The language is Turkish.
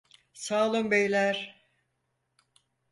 Sağolun beyler.